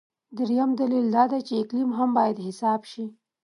درېیم دلیل دا دی چې اقلیم هم باید حساب شي.